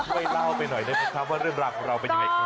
ว่าเรื่องราบลูกเราเป็นยังไง